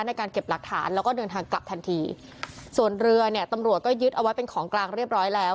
ในการเก็บหลักฐานแล้วก็เดินทางกลับทันทีส่วนเรือเนี่ยตำรวจก็ยึดเอาไว้เป็นของกลางเรียบร้อยแล้ว